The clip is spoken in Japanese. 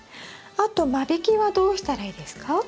あと間引きはどうしたらいいですか？